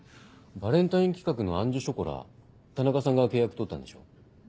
バレンタイン企画の「アンジュショコラ」田中さんが契約取ったんでしょ？